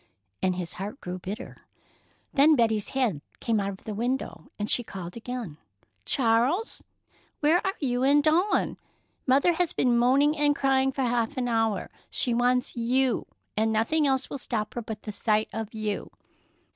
and his heart grew bitter. Then Betty's head came out of the window, and she called again: "Charles, where are you and Dawn? Mother has been moaning and crying for half an hour. She wants you, and nothing else will stop her but the sight of you."